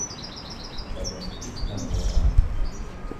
Dagattuu lama waraanu.